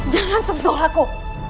jangan sempat doaku